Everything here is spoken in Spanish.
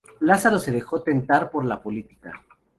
Lázaro se dejó tentar por la política.